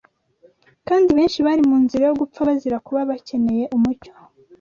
kandi benshi bari mu nzira yo gupfa bazira kuba bakeneye umucyo